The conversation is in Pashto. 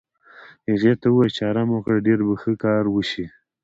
هغې ته ووایې چې ارام وکړه، ډېر به ښه کار وشي.